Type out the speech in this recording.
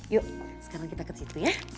yuk sekarang kita ke situ ya